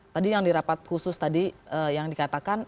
tadi yang di rapat khusus tadi yang dikatakan